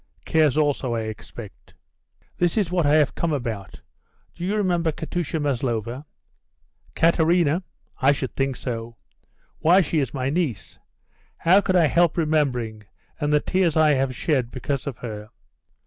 Cares also, I expect?" "This is what I have come about: Do you remember Katusha Maslova?" "Katerina? I should think so. Why, she is my niece. How could I help remembering; and the tears I have shed because of her.